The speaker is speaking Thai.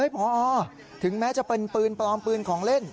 พอถึงแม้จะเป็นปืนปลอมปืนของเล่น